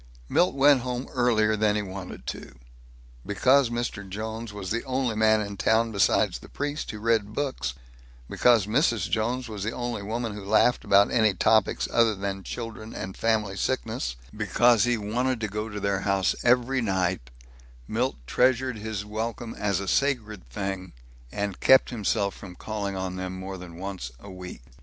Milt went home earlier than he wanted to. Because Mr. Jones was the only man in town besides the priest who read books, because Mrs. Jones was the only woman who laughed about any topics other than children and family sickness, because he wanted to go to their house every night, Milt treasured his welcome as a sacred thing, and kept himself from calling on them more than once a week.